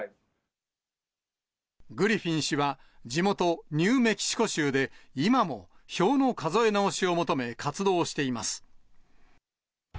グリフィン氏は、地元、ニューメキシコ州で今も票の数え直しを求め、活動しています。